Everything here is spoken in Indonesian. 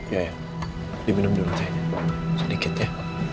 ini minum dulu sedikit ya